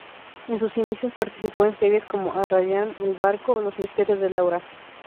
En sus inicios participó en series como "Arrayán", "El barco", "Los misterios de Laura".